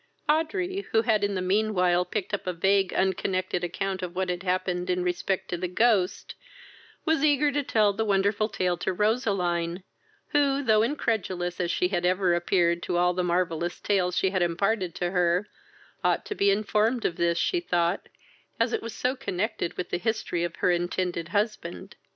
Audrey, who had in the mean while picked up a vague unconnected account of what had happened in respect to the ghost, was eager to tell the wonderful tale to Roseline, who, though incredulous as she had ever appeared to all the marvellous tales she had imparted to her, ought to be informed of this, she thought, as it was so connected with the history of her intended husband.